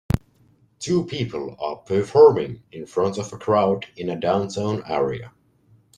Two people are performing in front of a crowd in a downtown area